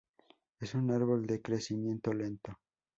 Es un árbol de crecimiento lento.